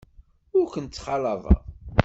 Ur kent-ttxalaḍeɣ.